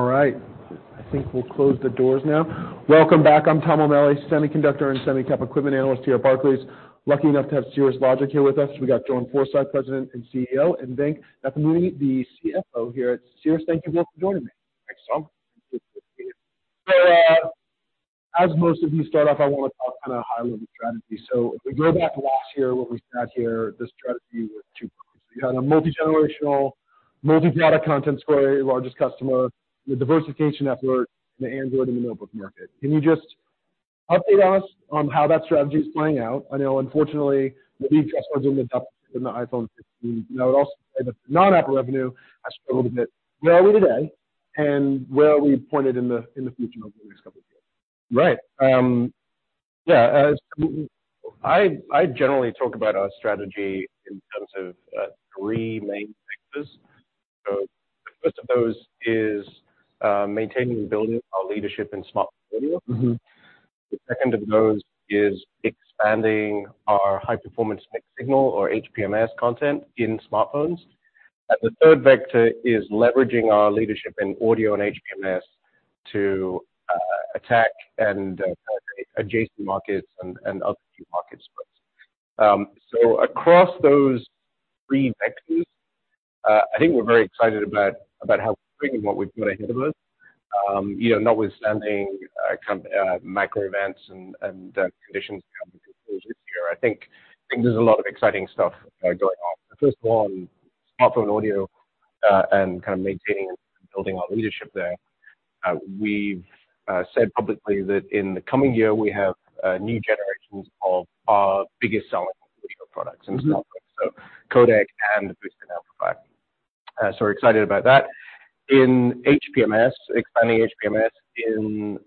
All right, I think we'll close the doors now. Welcome back, I'm Tom O'Malley, Semiconductor and Semicap Equipment Analyst here at Barclays. Lucky enough to have Cirrus Logic here with us. We got John Forsyth, President and CEO, and Venk Nathamuni, the CFO here at Cirrus. Thank you both for joining me. Thanks, Tom. So, as most of you start off, I want to talk kind of high-level strategy. So if we go back to last year, what we had here, the strategy was two parts. You had a multigenerational, multi-product content share, your largest customer, the diversification effort, the Android, and the notebook market. Can you just update us on how that strategy is playing out? I know, unfortunately, the just wasn't enough in the iPhone. And I would also say that the non-Apple revenue has struggled a bit. Where are we today, and where are we pointed in the future over the next couple of years? Right. Yeah, as I generally talk about our strategy in terms of three main vectors. So the first of those is maintaining and building our leadership in smart audio. The second of those is expanding our high-performance mixed-signal or HPMS content in smartphones. And the third vector is leveraging our leadership in audio and HPMS to attack and adjacent markets and other new markets for us. So across those three vectors, I think we're very excited about how what we've got ahead of us, you know, notwithstanding kind of micro events and conditions this year. I think there's a lot of exciting stuff going on. First of all, on smartphone audio and kind of maintaining and building our leadership there. We've said publicly that in the coming year, we have new generations of our biggest selling individual products and so forth, so codec and booster amplifier. So we're excited about that. In HPMS, expanding HPMS in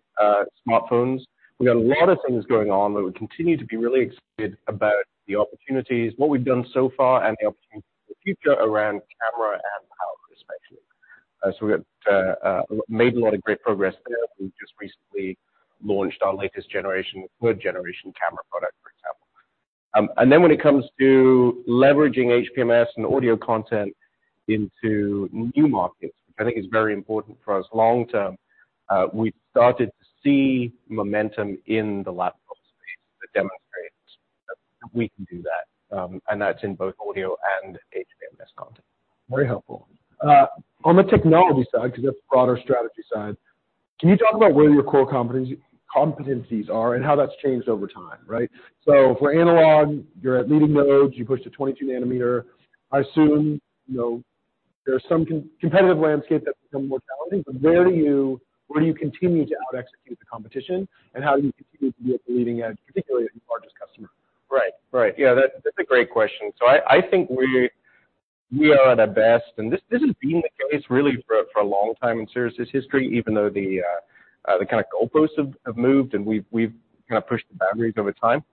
smartphones, we've got a lot of things going on, but we continue to be really excited about the opportunities, what we've done so far and the opportunities in the future around camera and power, especially. So we've made a lot of great progress there. We've just recently launched our latest generation, third generation camera product, for example. And then when it comes to leveraging HPMS and audio content into new markets, which I think is very important for us long term, we've started to see momentum in the laptop space that demonstrates that we can do that, and that's in both audio and HPMS content. Very helpful. On the technology side, because that's broader strategy side, can you talk about where your core competencies are and how that's changed over time, right? So for analog, you're at leading nodes, you pushed to 22 nanometer. I assume, you know, there's some competitive landscape that's become more challenging, but where do you, where do you continue to out execute the competition, and how do you continue to be at the leading edge, particularly with your largest customer? Right. Right. Yeah, that's a great question. So I think we are at our best, and this has been the case really for a long time in Cirrus's history, even though the kind of goalposts have moved and we've kind of pushed the boundaries over time.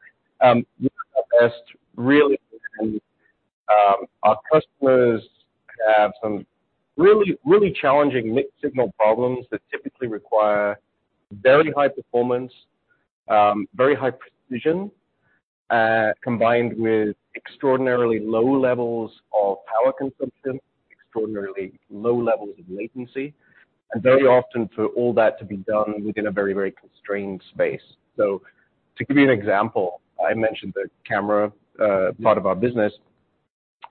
We're at our best, really, our customers have some really, really challenging mixed-signal problems that typically require very high performance, very high precision, combined with extraordinarily low levels of power consumption, extraordinarily low levels of latency, and very often for all that to be done within a very, very constrained space. So to give you an example, I mentioned the camera part of our business.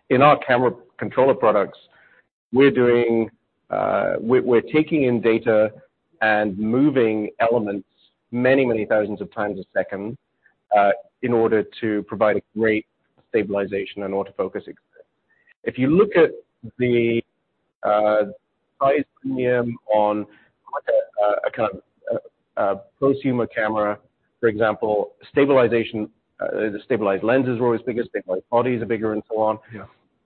In our camera controller products, we're doing, we're taking in data and moving elements many, many thousands of times a second, in order to provide a great stabilization and autofocus. If you look at the size premium on like a kind of a prosumer camera, for example, stabilization, the stabilized lenses are always bigger, stabilized bodies are bigger and so on.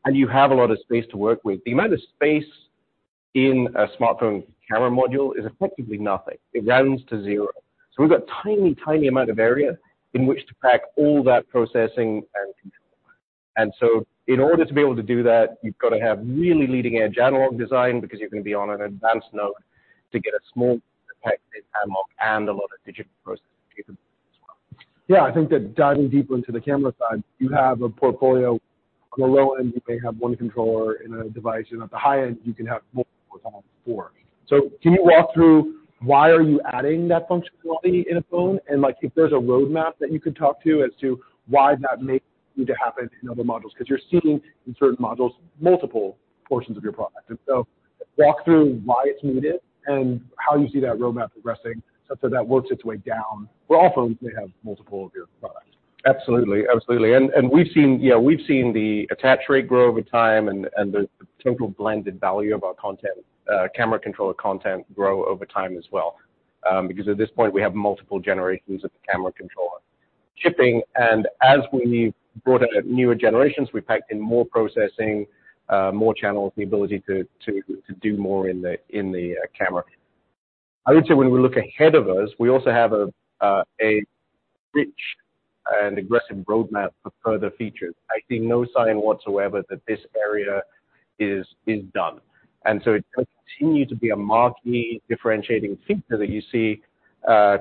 And you have a lot of space to work with. The amount of space in a smartphone camera module is effectively nothing. It rounds to zero. So we've got tiny, tiny amount of area in which to pack all that processing and control. And so in order to be able to do that, you've got to have really leading-edge analog design because you're going to be on an advanced node to get a small package analog and a lot of digital processing capabilities as well. Yeah, I think that diving deeper into the camera side, you have a portfolio. On the low end, you may have one controller in a device, and at the high end, you can have multiple, almost four. So can you walk through why are you adding that functionality in a phone? And like, if there's a roadmap that you could talk to as to why that may need to happen in other modules, because you're seeing in certain modules, multiple portions of your product. And so walk through why it's needed and how you see that roadmap progressing, so that works its way down, where all phones may have multiple of your products. Absolutely. Absolutely. We've seen, you know, we've seen the attach rate grow over time and the total blended value of our content, camera controller content grow over time as well. Because at this point, we have multiple generations of the camera controller shipping, and as we brought in newer generations, we packed in more processing, more channels, the ability to do more in the camera. I would say when we look ahead of us, we also have a rich and aggressive roadmap for further features. I see no sign whatsoever that this area is done, and so it will continue to be a marquee differentiating feature that you see-...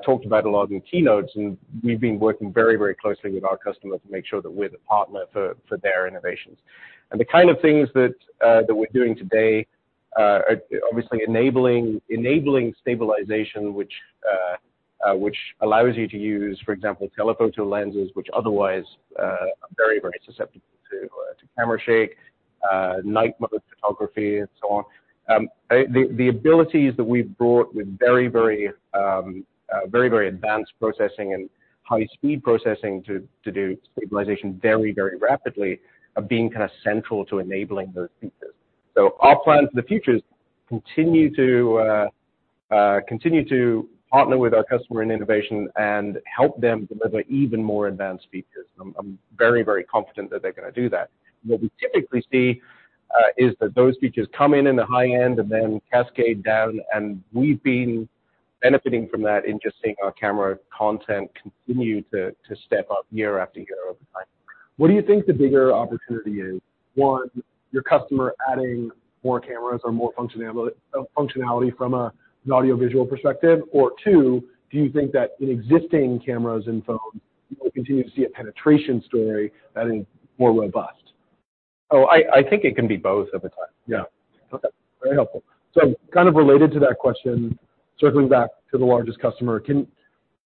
talked about a lot in keynotes, and we've been working very, very closely with our customer to make sure that we're the partner for their innovations. The kind of things that we're doing today are obviously enabling stabilization, which allows you to use, for example, telephoto lenses, which otherwise are very, very susceptible to camera shake, night mode photography, and so on. The abilities that we've brought with very, very advanced processing and high speed processing to do stabilization very, very rapidly are being kind of central to enabling those features. So our plan for the future is to continue to partner with our customer in innovation and help them deliver even more advanced features. I'm very, very confident that they're gonna do that. What we typically see is that those features come in, in the high end and then cascade down, and we've been benefiting from that and just seeing our camera content continue to step up year after year over time. What do you think the bigger opportunity is? One, your customer adding more cameras or more functionality from an audiovisual perspective? Or two, do you think that in existing cameras and phones, you will continue to see a penetration story that is more robust? Oh, I think it can be both of the time. Yeah. Okay, very helpful. So kind of related to that question, circling back to the largest customer,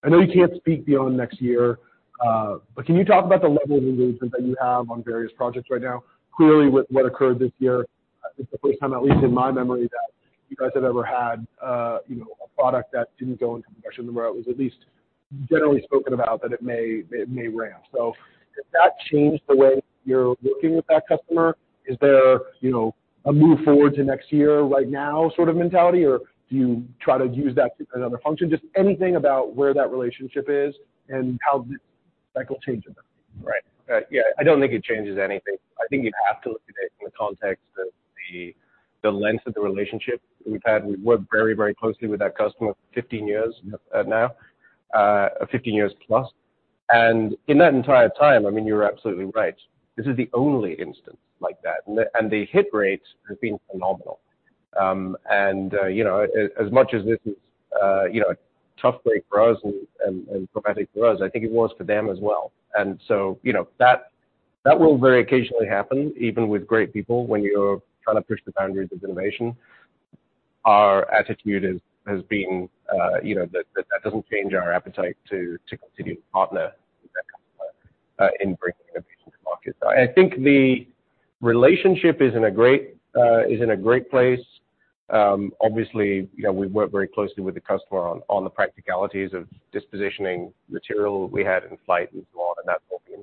I know you can't speak beyond next year, but can you talk about the level of engagement that you have on various projects right now? Clearly, with what occurred this year, I think the first time, at least in my memory, that you guys have ever had, you know, a product that didn't go into production, where it was at least generally spoken about that it may, it may ramp. So did that change the way you're working with that customer? Is there, you know, a move forward to next year, right now, sort of mentality, or do you try to use that as another function? Just anything about where that relationship is and how that will change it? Right. Yeah, I don't think it changes anything. I think you'd have to look at it in the context of the length of the relationship we've had. We've worked very, very closely with that customer for 15 years now, 15 years plus. And in that entire time, I mean, you're absolutely right, this is the only instance like that, and the hit rate has been phenomenal. You know, as much as this is, you know, a tough break for us and prophetic for us, I think it was for them as well. And so, you know, that will very occasionally happen, even with great people when you're trying to push the boundaries of innovation. Our attitude is, has been, you know, that doesn't change our appetite to continue to partner with that customer in bringing innovations to market. I think the relationship is in a great place. Obviously, you know, we work very closely with the customer on the practicalities of dispositioning material we had in flight and so on, and that will be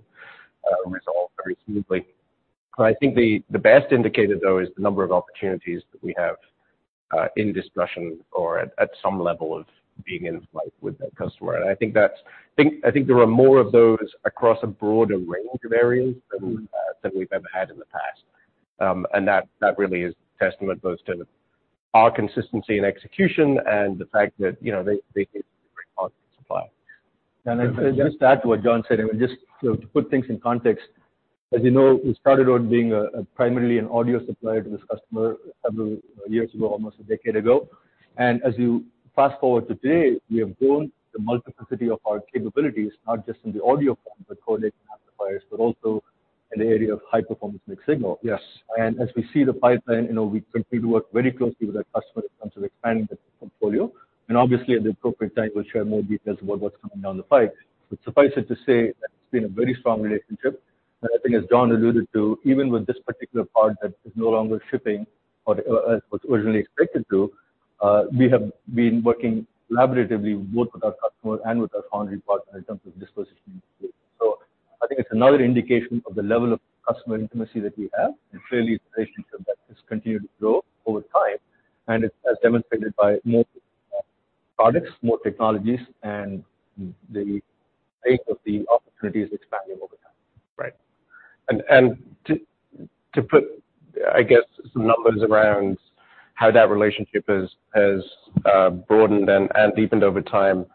resolved very smoothly. But I think the best indicator, though, is the number of opportunities that we have in discussion or at some level of being in flight with that customer. And I think there are more of those across a broader range of areas than we've ever had in the past. That really is testament both to our consistency and execution and the fact that, you know, they supply. Just to add to what John said, I mean, just to put things in context, as you know, we started out being a, primarily an audio supplier to this customer several years ago, almost a decade ago. As you fast forward to today, we have grown the multiplicity of our capabilities, not just in the audio form, but codecs amplifiers, but also in the area of high-performance mixed-signal. Yes. As we see the pipeline, you know, we continue to work very closely with our customer in terms of expanding the portfolio. Obviously, at the appropriate time, we'll share more details about what's coming down the pipe. But suffice it to say that it's been a very strong relationship. I think as John alluded to, even with this particular part that is no longer shipping or was originally expected to, we have been working collaboratively, both with our customer and with our foundry partner in terms of disposition. So I think it's another indication of the level of customer intimacy that we have, and clearly it's a relationship that has continued to grow over time. It's as demonstrated by more products, more technologies, and the rate of the opportunities expanding over time. Right. And to put, I guess, some numbers around how that relationship has broadened and deepened over time.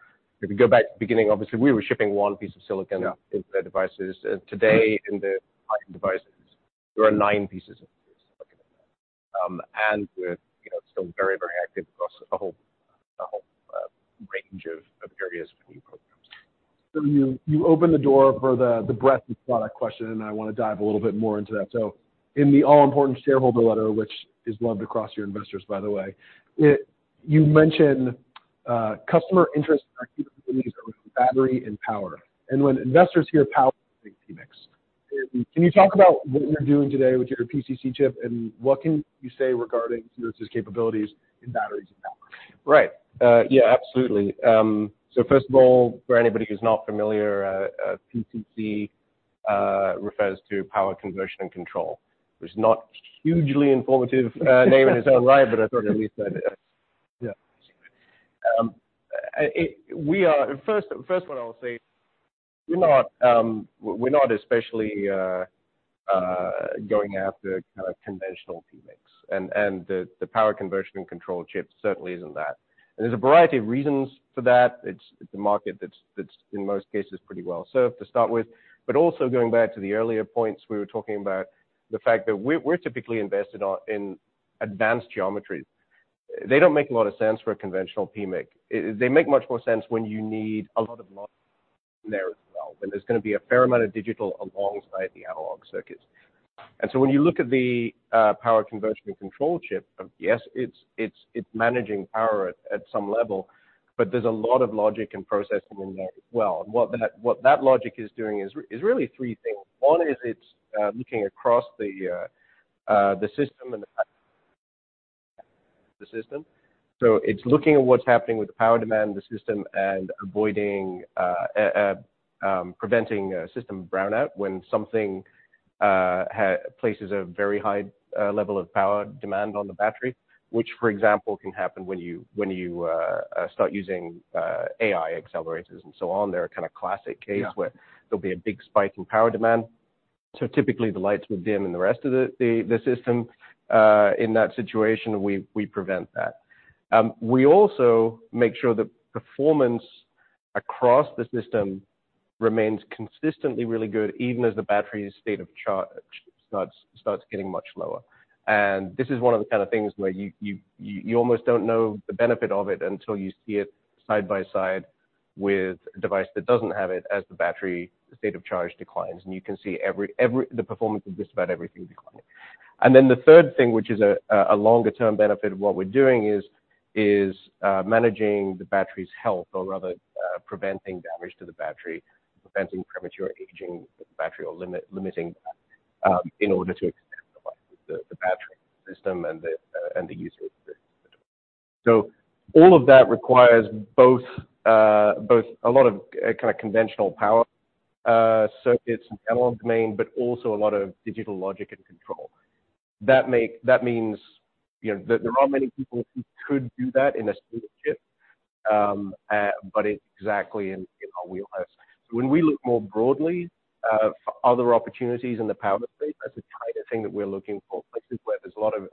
If you go back to the beginning, obviously, we were shipping one piece of silicon into their devices. And today, in the devices, there are nine pieces of silicon, and we're, you know, still very, very active across a whole range of areas for new programs. So you opened the door for the breadth of product question, and I wanna dive a little bit more into that. So in the all-important shareholder letter, which is loved across your investors, by the way, it, you mentioned customer interest, battery, and power. And when investors hear power, they think PMIC. Can you talk about what you're doing today with your PCC chip, and what can you say regarding those capabilities in batteries and power? Right. Yeah, absolutely. So first of all, for anybody who's not familiar, PCC refers to power conversion and control, which is not hugely informative name in its own right, but I thought at least I'd. We are... First, what I will say, we're not especially going after kind of conventional PMIC, and the power conversion and control chip certainly isn't that. And there's a variety of reasons for that. It's a market that's in most cases pretty well served to start with. But also going back to the earlier points, we were talking about the fact that we're typically invested in advanced geometries; they don't make a lot of sense for a conventional PMIC. They make much more sense when you need a lot of logic there as well, when there's gonna be a fair amount of digital alongside the analog circuits. And so when you look at the power conversion and control chip, yes, it's managing power at some level, but there's a lot of logic and processing in there as well. And what that logic is doing is really three things. One is it's looking across the system and the system. So it's looking at what's happening with the power demand in the system and avoiding preventing system brownout when something places a very high level of power demand on the battery, which, for example, can happen when you start using AI accelerators and so on. They're a kind of classic case where there'll be a big spike in power demand. So typically, the lights would dim and the rest of the system in that situation, we prevent that. We also make sure the performance across the system remains consistently really good, even as the battery's state of charge starts getting much lower. And this is one of the kind of things where you almost don't know the benefit of it until you see it side by side with a device that doesn't have it, as the battery state of charge declines, and you can see every the performance of just about everything declining. And then the third thing, which is a longer-term benefit of what we're doing, is managing the battery's health, or rather, preventing damage to the battery, preventing premature aging of the battery, or limiting that, in order to extend the life of the battery system and the user. So all of that requires both a lot of kind of conventional power, so it's an analog domain, but also a lot of digital logic and control. That means, you know, that there are many people who could do that in a single chip, but it exactly in our wheelhouse. So when we look more broadly for other opportunities in the power space, that's the kind of thing that we're looking for. Places where there's a lot of,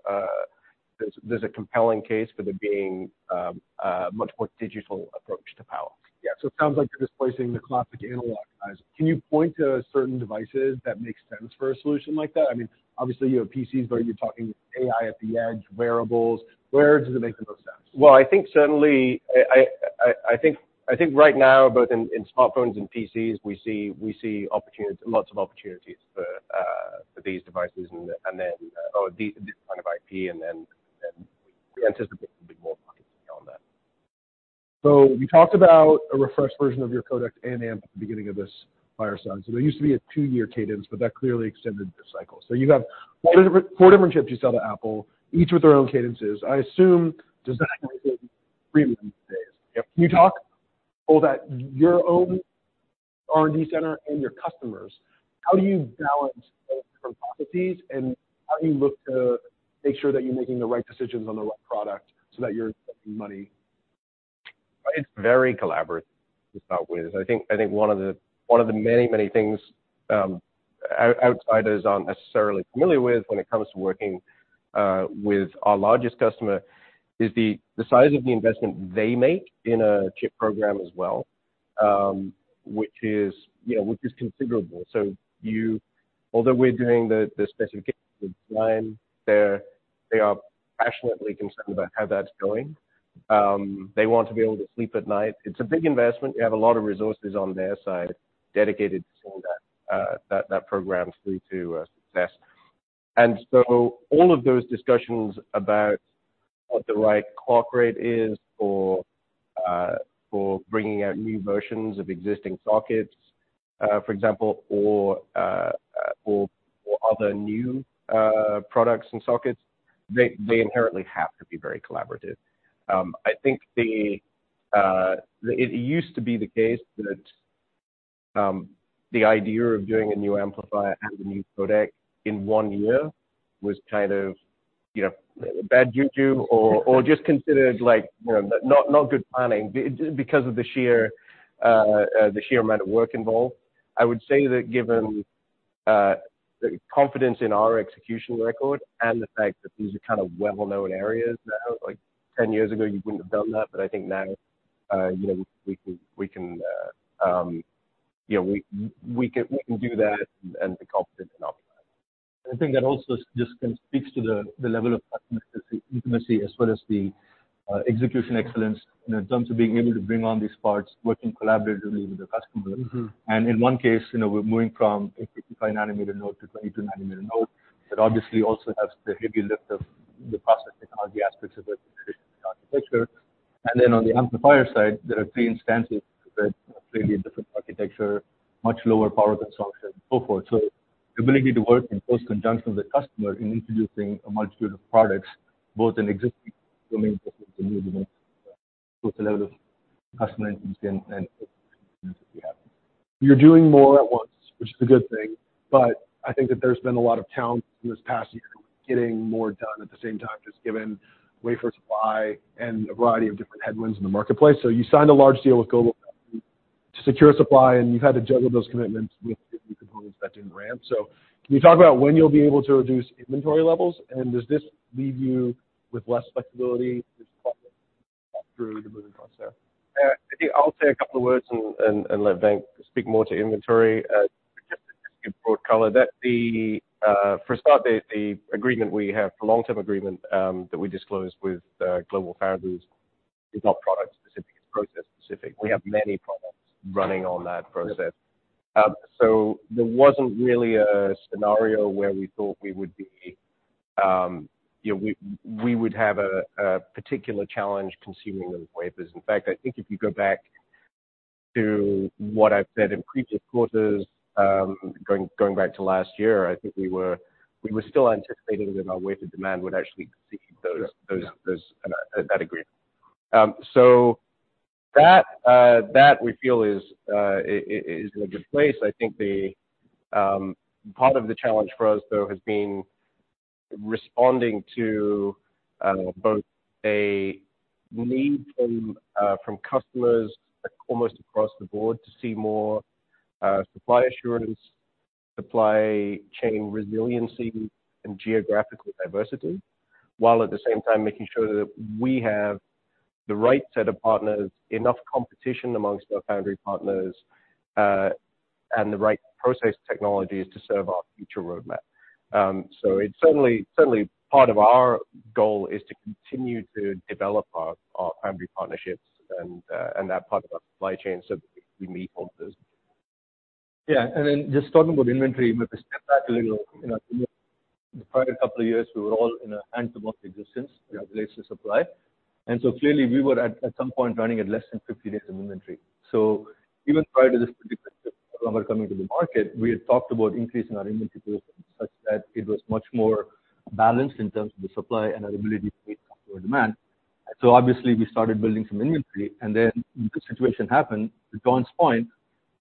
there's a compelling case for there being a much more digital approach to power. Yeah. So it sounds like you're displacing the classic analog guys. Can you point to certain devices that make sense for a solution like that? I mean, obviously, you have PCs, but you're talking AI at the edge, wearables. Where does it make the most sense? Well, I think certainly, I think right now, both in smartphones and PCs, we see opportunities, lots of opportunities for these devices and then or these kind of IP, and then we anticipate there'll be more markets beyond that. So we talked about a refreshed version of your codec and amp at the beginning of this fireside. So there used to be a two-year cadence, but that clearly extended the cycle. So you have four different, four different chips you sell to Apple, each with their own cadences. I assume design doesn't improve these days. Yep. Can you talk about your own R&D center and your customers? How do you balance those different properties, and how do you look to make sure that you're making the right decisions on the right product so that you're making money? It's very collaborative, to start with. I think, I think one of the, one of the many, many things, outsiders aren't necessarily familiar with when it comes to working with our largest customer, is the size of the investment they make in a chip program as well, which is, you know, which is considerable. So although we're doing the specification design, they're, they are passionately concerned about how that's going. They want to be able to sleep at night. It's a big investment. They have a lot of resources on their side dedicated to seeing that, that program through to success. And so all of those discussions about what the right clock rate is for bringing out new versions of existing sockets, for example, or other new products and sockets, they inherently have to be very collaborative. I think it used to be the case that the idea of doing a new amplifier and a new codec in one year was kind of, you know, bad juju, or just considered like, you know, not good planning, because of the sheer amount of work involved. I would say that given the confidence in our execution record and the fact that these are kind of well-known areas now, like 10 years ago, you wouldn't have done that, but I think now, you know, we can do that and be confident in our plan. I think that also just kind of speaks to the level of customer intimacy as well as the execution excellence, you know, in terms of being able to bring on these parts, working collaboratively with the customer. In one case, you know, we're moving from a 55 nanometer node to 22 nanometer node. That obviously also has the heavy lift of the process technology aspects of it, architecture. And then on the amplifier side, there are three instances that are clearly a different architecture, much lower power consumption, so forth. So the ability to work in close conjunction with the customer in introducing a multitude of products, both in existing domains and new domains, puts a lot of customer enthusiasm and- You're doing more at once, which is a good thing, but I think that there's been a lot of challenge in this past year with getting more done at the same time, just given wafer supply and a variety of different headwinds in the marketplace. So you signed a large deal with GlobalFoundries to secure supply, and you've had to juggle those commitments with new components that didn't ramp. So can you talk about when you'll be able to reduce inventory levels, and does this leave you with less flexibility through to move? I think I'll say a couple of words and let Venk speak more to inventory. Just give broad color that for a start, the agreement we have, the long-term agreement, that we disclosed with GlobalFoundries is not product specific, it's process specific. We have many products running on that process. So there wasn't really a scenario where we thought we would be, you know, we would have a particular challenge consuming those wafers. In fact, I think if you go back to what I've said in previous quarters, going back to last year, I think we were still anticipating that our wafer demand would actually exceed those. Those and that agreement. So that we feel is in a good place. I think the part of the challenge for us, though, has been responding to both a need from customers almost across the board, to see more supply assurance, supply chain resiliency and geographical diversity, while at the same time making sure that we have the right set of partners, enough competition amongst our foundry partners, and the right process technologies to serve our future roadmap. So it's certainly part of our goal to continue to develop our foundry partnerships and that part of our supply chain, so we meet all those. Yeah. And then just talking about inventory, if we step back a little, you know, the prior couple of years, we were all in a hand-to-mouth existence, we had a supply. And so clearly we were at some point running at less than 50 days of inventory. So even prior to this particular coming to the market, we had talked about increasing our inventory positions, such that it was much more balanced in terms of the supply and our ability to meet customer demand. And so obviously we started building some inventory, and then the situation happened. To John's point,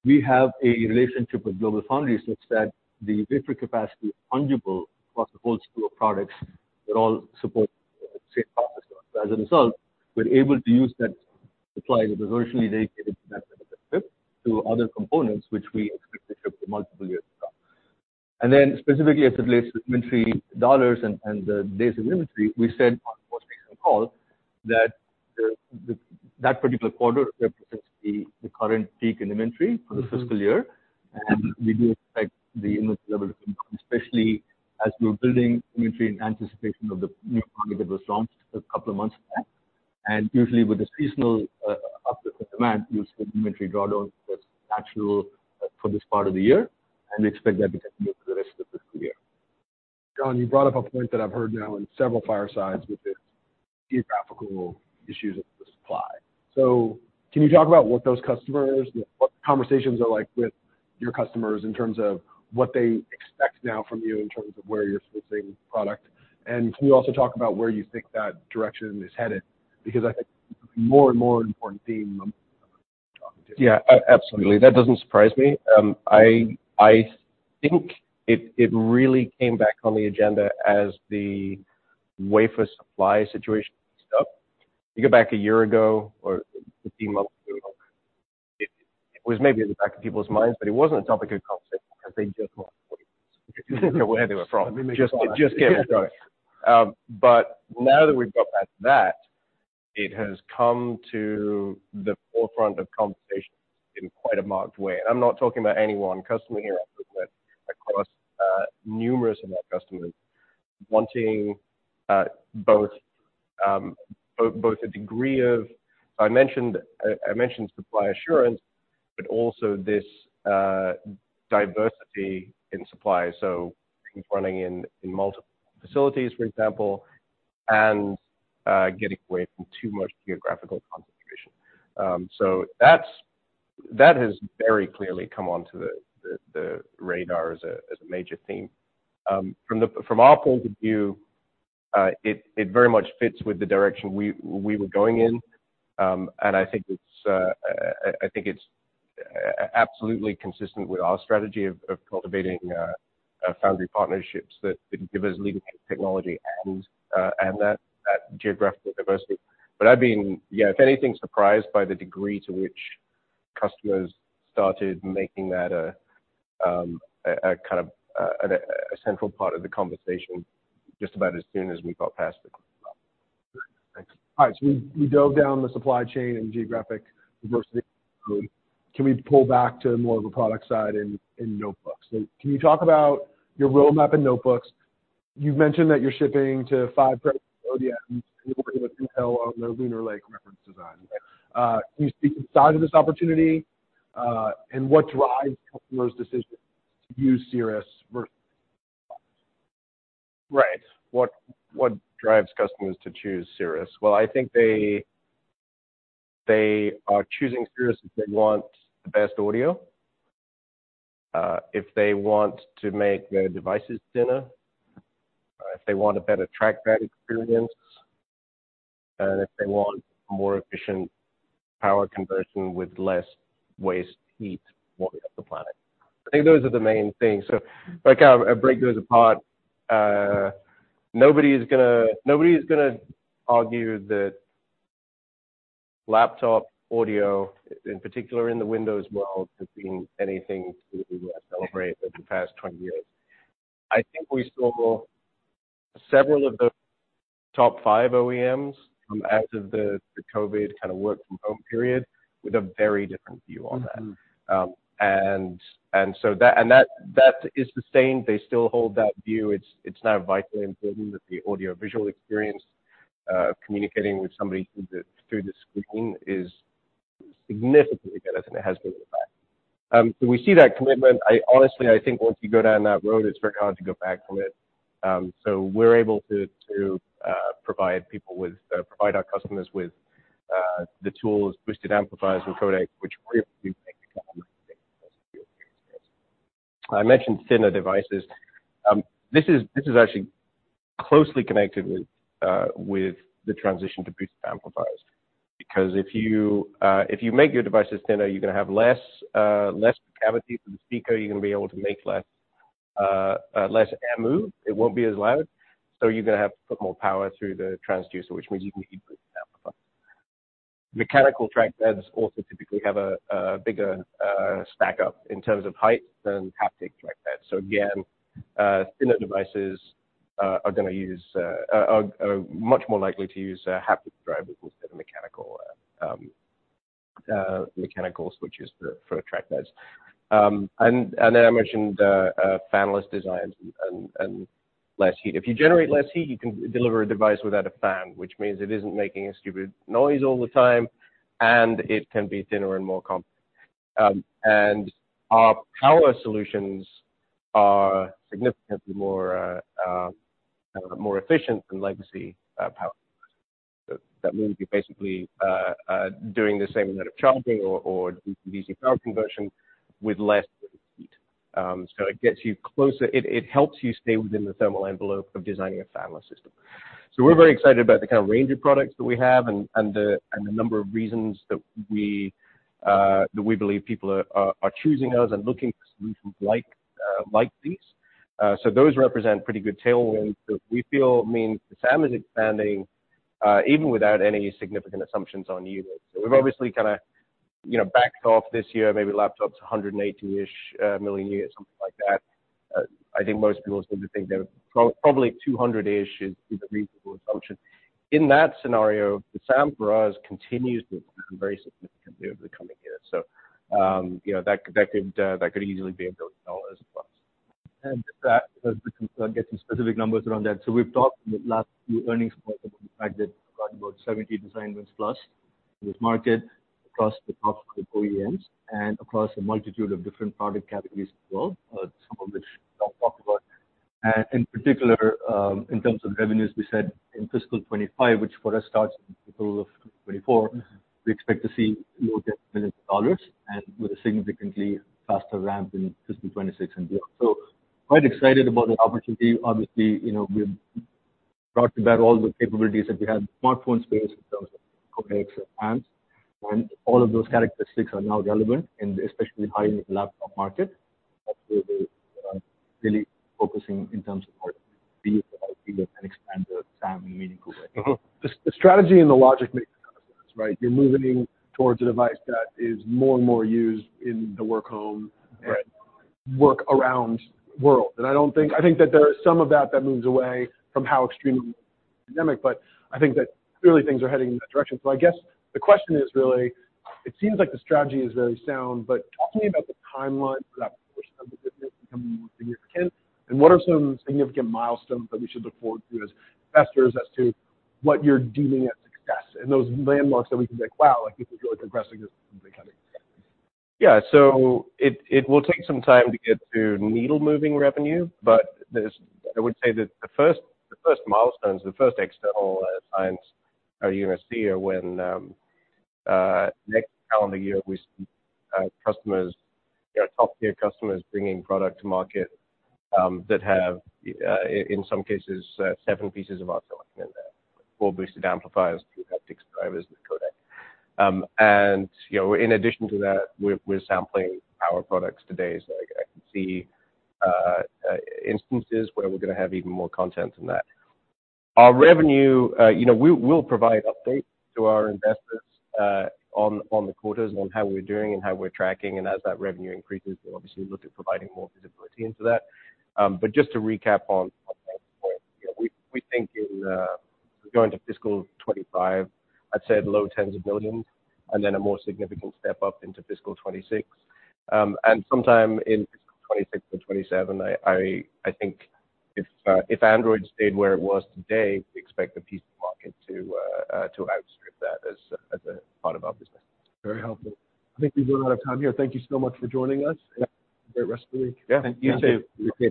we have a relationship with GlobalFoundries such that the wafer capacity is fungible across the whole suite of products that all support the same process. So as a result, we're able to use that supply that originally dedicated to that specific chip to other components, which we expect to ship for multiple years to come. Then specifically, as it relates to inventory dollars and the days of inventory, we said on the first quarter call that that particular quarter represents the current peak in inventory for the fiscal year. We do expect the inventory level, especially as we're building inventory in anticipation of the new product that was launched a couple of months back. Usually with the seasonal uplift in demand, you'll see the inventory drawdown that's natural for this part of the year and expect that to continue for the rest of the fiscal year. John, you brought up a point that I've heard now in several firesides with the geographical issues of the supply. So can you talk about what those customers, what the conversations are like with your customers in terms of what they expect now from you, in terms of where you're sourcing product? And can you also talk about where you think that direction is headed? Because I think more and more important theme I'm talking to. Yeah, absolutely. That doesn't surprise me. I think it really came back on the agenda as the wafer supply situation up. You go back a year ago, or 15 months ago, it was maybe at the back of people's minds, but it wasn't a topic of conversation because they just want where they were from. Let me Just get it going. But now that we've got past that, it has come to the forefront of conversations in quite a marked way. And I'm not talking about any one customer here, but across numerous of our customers wanting both a degree of... I mentioned supply assurance, but also this diversity in supply. So running in multiple facilities, for example, and getting away from too much geographical concentration. So that has very clearly come onto the radar as a major theme. From our point of view, it very much fits with the direction we were going in. I think it's absolutely consistent with our strategy of cultivating foundry partnerships that give us leading technology and that geographical diversity. But I've been, you know, if anything, surprised by the degree to which customers started making that a kind of central part of the conversation just about as soon as we got past it. Thanks. All right. So we dove down the supply chain and geographic diversity. Can we pull back to more of a product side in notebooks? So can you talk about your roadmap in notebooks? You've mentioned that you're shipping to five current ODMs, and you're working with Intel on their Lunar Lake reference design. Can you speak to the size of this opportunity, and what drives customers' decisions to use Cirrus Right. What drives customers to choose Cirrus? Well, I think they are choosing Cirrus if they want the best audio, if they want to make their devices thinner, if they want a better trackpad experience, and if they want more efficient power conversion with less waste heat warming up the planet. I think those are the main things. So if I kind of break those apart, nobody's gonna argue that laptop audio, in particular in the Windows world, has been anything to celebrate over the past 20 years. I think we still several of those top five OEMs, as of the COVID kind of work from home period, with a very different view on that. And that is the same. They still hold that view. It's now vitally important that the audiovisual experience of communicating with somebody through the screen is significantly better than it has been in the past. So we see that commitment. I honestly think once you go down that road, it's very hard to go back from it. So we're able to provide our customers with the tools, boosted amplifiers and codecs, which really make the kind of experience. I mentioned thinner devices. This is actually closely connected with the transition to boosted amplifiers. Because if you make your devices thinner, you're gonna have less cavity for the speaker. You're gonna be able to make less air move. It won't be as loud, so you're gonna have to put more power through the transducer, which means you can keep boosting the amplifier. Mechanical trackpads also typically have a bigger stack up in terms of height than haptic trackpads. So again, thinner devices are much more likely to use a haptic driver instead of mechanical switches for trackpads. And then I mentioned fanless designs and less heat. If you generate less heat, you can deliver a device without a fan, which means it isn't making a stupid noise all the time, and it can be thinner and more complex. And our power solutions are significantly more efficient than legacy power. That means you're basically doing the same amount of charging or DC-DC power conversion with less heat. So it gets you closer... It helps you stay within the thermal envelope of designing a fanless system. So we're very excited about the kind of range of products that we have and the number of reasons that we believe people are choosing us and looking for solutions like these. So those represent pretty good tailwinds that we feel mean the SAM is expanding even without any significant assumptions on units. So we've obviously kind of, you know, backed off this year, maybe laptops, 180-ish million units, something like that. I think most people are starting to think that probably 200-ish is a reasonable assumption. In that scenario, the SAM, for us, continues to very significantly over the coming years. So, you know, that, that could easily be $1 billion plus. That, get some specific numbers around that. So we've talked the last few earnings calls about the fact that we've got about 70 design wins plus in this market, across the top OEMs and across a multitude of different product categories as well, some of which John talked about. In particular, in terms of revenues, we said in fiscal 2025, which for us starts in April of 2024, we expect to see low and with a significantly faster ramp in fiscal 2026 and beyond. So quite excited about the opportunity. Obviously, you know, we've brought to bear all the capabilities that we had in the smartphone space in terms of codecs and amps, and all of those characteristics are now relevant in the especially high-end laptop market. Absolutely, really focusing in terms of our view and expand the SAM in a meaningful way. The strategy and the logic makes a lot of sense, right? You're moving towards a device that is more and more used in the work home- Right. -and work around world. And I don't think... I think that there is some of that that moves away from how extremely pandemic, but I think that clearly things are heading in that direction. So I guess the question is really, it seems like the strategy is very sound, but talk to me about the timeline for that portion of the business becoming more significant, and what are some significant milestones that we should look forward to as investors as to what you're deeming a success, and those landmarks that we can say, "Wow, like, this is really progressing this kind of success? Yeah. So it will take some time to get to needle-moving revenue, but there's I would say that the first milestones, the first external signs are you're gonna see are when, next calendar year, we see, customers, you know, top-tier customers bringing product to market, that have, in some cases, seven pieces of our selection in there, or boosted amplifiers, haptics drivers, and codec. And, you know, in addition to that, we're sampling our products today. So I can see, instances where we're gonna have even more content than that. Our revenue, you know, we'll provide updates to our investors, on the quarters on how we're doing and how we're tracking, and as that revenue increases, we'll obviously look at providing more visibility into that. But just to recap on that point, you know, we think in going to fiscal 2025, I'd say low tens of millions, and then a more significant step up into fiscal 2026. And sometime in fiscal 2026 or 2027, I think if Android stayed where it was today, we expect the PC market to outstrip that as a part of our business. Very helpful. I think we've run out of time here. Thank you so much for joining us, and have a great rest of the week. Yeah, you too. You too.